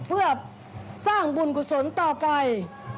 เพื่อสร้างบุญกุศลต่อไป